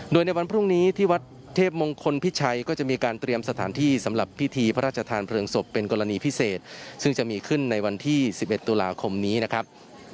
โดยในวันพรุ่งนี้ที่วัดเทพมงคลพิชัยก็จะมีการเตรียมสถานที่สำหรับพิธีพระราชทานเพลิงศพเป็นกรณีพิเศษซึ่งจะมีขึ้นในวันที่๑๑ตุลาคมนี้นะครับ